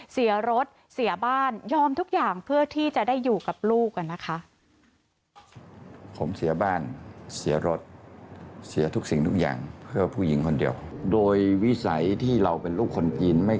เสียรถเสียบ้านยอมทุกอย่างเพื่อที่จะได้อยู่กับลูกนะคะ